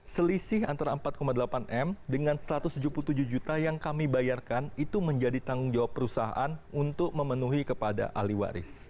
selisih antara empat delapan m dengan satu ratus tujuh puluh tujuh juta yang kami bayarkan itu menjadi tanggung jawab perusahaan untuk memenuhi kepada ahli waris